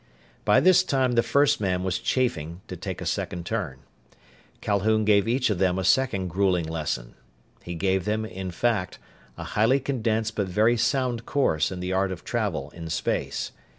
By this time the first man was chafing to take a second turn. Calhoun gave each of them a second gruelling lesson. He gave them, in fact, a highly condensed but very sound course in the art of travel in space.